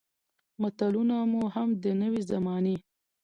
متلونه مو هم د نوې زمانې